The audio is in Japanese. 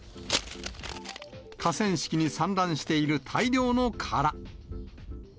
河川敷に散乱している大量の殻。